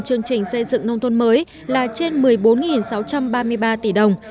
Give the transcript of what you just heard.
chương trình xây dựng nông thôn mới là trên một mươi bốn sáu trăm ba mươi ba tỷ đồng